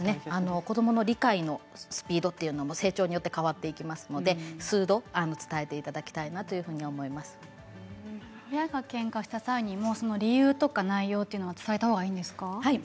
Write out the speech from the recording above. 子どもの理解のスピードというのも成長によって変わっていきますので数度、伝えていただきたいなと親がけんかした時にも理由や内容を伝えた方がいいんですか？